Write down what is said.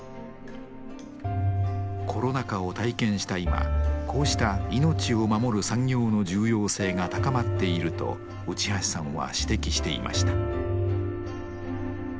コロナ禍を体験した今こうした命を守る産業の重要性が高まっていると内橋さんは指摘していました。